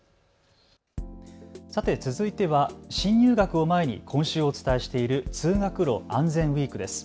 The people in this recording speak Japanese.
続いては新入学を前に今週お伝えしている通学路あんぜんウイークです。